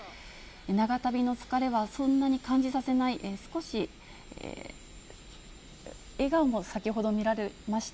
長旅の疲れはそんなに感じさせない、少し、笑顔も、先ほど見られました。